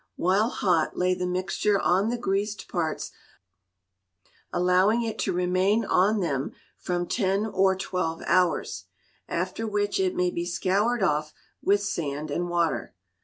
While hot lay the mixture on the greased parts, allowing it to remain on them from ten or twelve hours; after which it may be scoured off with sand and water.